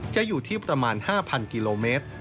อยู่ที่ประมาณ๕๐๐กิโลเมตร